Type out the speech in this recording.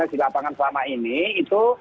di lapangan selama ini itu